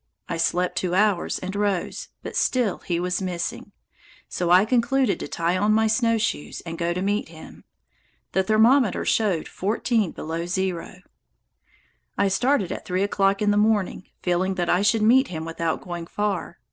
I slept two hours and rose, but still he was missing, so I concluded to tie on my snowshoes and go to meet him. The thermometer showed fourteen below zero. I started at three o'clock in the morning, feeling that I should meet him without going far.